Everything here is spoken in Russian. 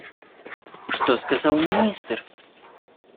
Что сказал министр?